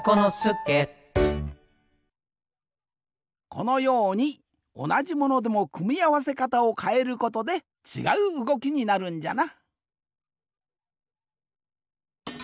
このようにおなじものでもくみあわせかたをかえることでちがううごきになるんじゃな。